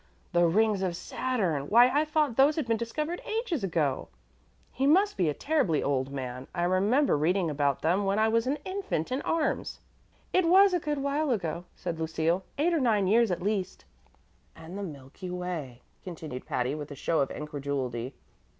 "The rings of Saturn! Why, I thought those had been discovered ages ago. He must be a terribly old man. I remember reading about them when I was an infant in arms." "It was a good while ago," said Lucille. "Eight or nine years, at least." "And the Milky Way!" continued Patty, with a show of incredulity.